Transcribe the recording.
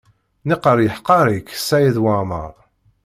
Naqal yeḥqer-ik Saɛid Waɛmaṛ.